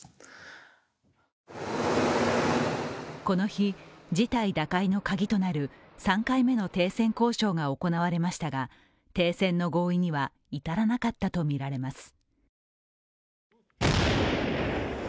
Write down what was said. この日、事態打開のカギとなる３回目の停戦交渉が行われましたが停戦の合意には至らなかったとみられます。